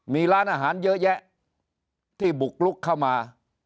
มีร้านอาหารเยอะแยะที่บุกลุกเข้ามา